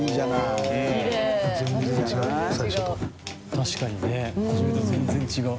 確かにねはじめと全然違う。